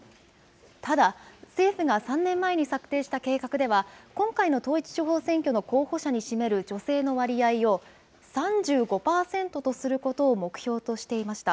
ただ政府が３年前に策定した計画では今回の統一地方選挙の候補者に占める女性の割合を３５％とすることを目標としていました。